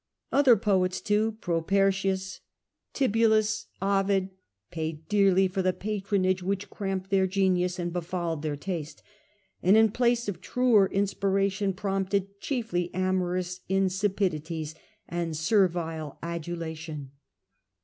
Other poets, too, Propertius, Tibullus, Ovid, paid dearly for the patronage which cramped their genius and befouled their taste, and in place of truer inspiration prompted chiefly amorous insipidities and servile adula tion.